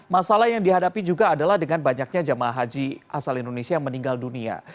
masalah yang dihadapi juga adalah dengan banyaknya jamaah haji asal indonesia yang meninggal dunia